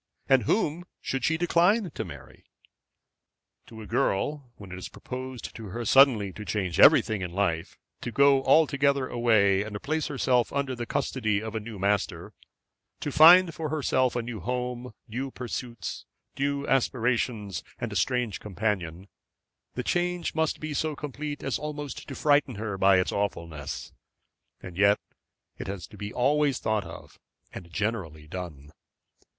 and whom should she decline to marry? To a girl, when it is proposed to her suddenly to change everything in life, to go altogether away and place herself under the custody of a new master, to find for herself a new home, new pursuits, new aspirations, and a strange companion, the change must be so complete as almost to frighten her by its awfulness. And yet it has to be always thought of, and generally done.